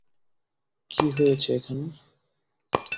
কি হয়েছে এখানে?